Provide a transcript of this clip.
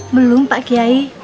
belum pak kiai